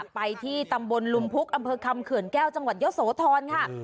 ไปที่ตำบลลุมพุกอำเภอคำเขื่อนแก้วจังหวัดเยอะโสธรค่ะ